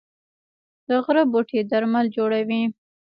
د غره بوټي درمل جوړوي